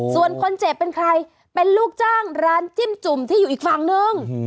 ส่วนคนเจ็บเป็นใครเป็นลูกจ้างร้านจิ้มจุ่มที่อยู่อีกฝั่งนึง